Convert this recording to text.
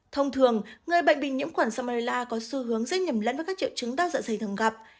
thông thường người bệnh bình nhiễm khuẩn salmonella có xu hướng rất nhầm lẫn với các triệu trứng đa dạ dày thường gặp